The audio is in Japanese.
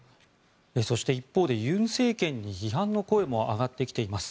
そして一方で、尹政権に批判の声も上がってきています。